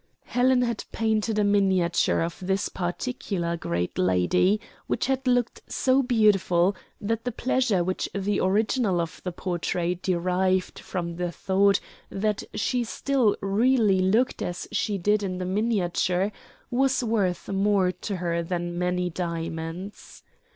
Helen had painted a miniature of this particular great lady which had looked so beautiful that the pleasure which the original of the portrait derived from the thought that she still really looked as she did in the miniature was worth more to her than many diamonds.